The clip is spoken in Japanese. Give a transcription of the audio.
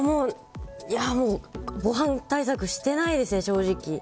防犯対策してないですね正直。